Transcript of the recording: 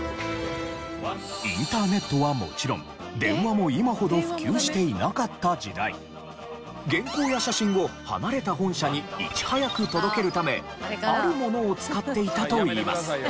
インターネットはもちろん電話も今ほど普及していなかった時代原稿や写真を離れた本社にいち早く届けるためあるものを使っていたといいます。